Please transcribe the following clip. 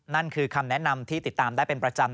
นั่นคือคำแนะนำที่ติดตามได้เป็นประจำ